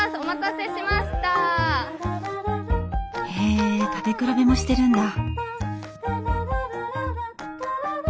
へえ食べ比べもしてるんだ。